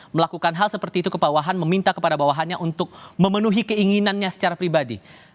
melakukan hal seperti itu ke bawahan meminta kepada bawahannya untuk memenuhi keinginannya secara pribadi